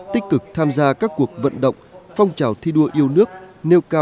tích cực tham gia các cuộc vận động phong trào thi đua yêu nước